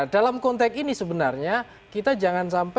dalam konteks ini sebenarnya kita jangan sampai